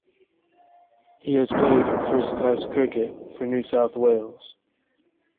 He has played first class cricket for New South Wales.